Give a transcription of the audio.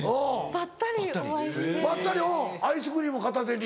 ばったりうんアイスクリーム片手に。